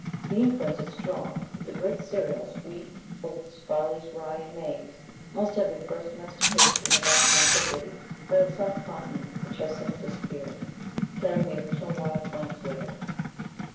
(Ibid.) The inference is strong that the great cereals wheat, oats, barley, rye, and maize must have been first domesticated in a vast antiquity, or in some continent which has since disappeared, carrying the original wild plants with it.